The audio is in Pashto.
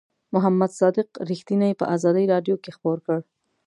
محمد صادق رښتیني په آزادۍ رادیو کې خپور کړ.